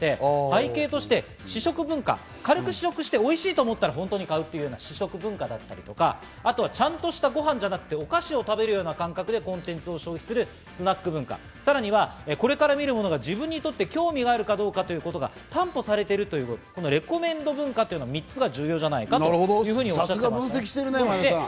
背景として試食文化、軽く試食しておいしいと思ったら買うという試食文化だったり、ちゃんとしたごはんではなく、お菓子を食べるような感覚でコンテンツを消費するスナック文化、さらにこれから見るものが自分にとって興味があるかどうかということが担保されているというかレコメンド文化という３つが重要じゃないかとおっしゃっています。